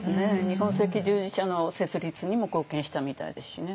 日本赤十字社の設立にも貢献したみたいですしね。